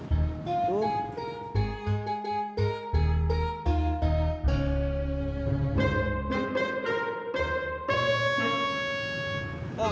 terus kenapa kamu gagal jak